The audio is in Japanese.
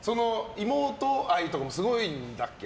妹愛とかもすごいんだっけ？